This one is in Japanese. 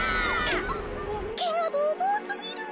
けがボーボーすぎる。